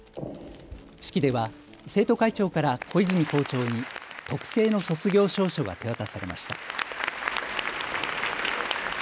式では生徒会長から小泉校長に特製の卒業証書が手渡されました。